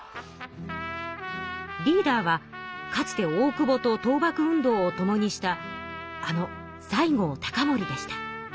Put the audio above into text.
リーダーはかつて大久保と倒幕運動をともにしたあの西郷隆盛でした。